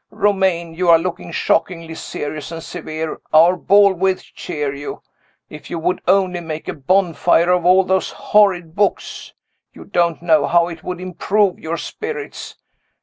Romayne, you are looking shockingly serious and severe; our ball will cheer you. If you would only make a bonfire of all those horrid books, you don't know how it would improve your spirits.